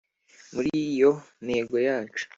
muri iyo ntego yacu,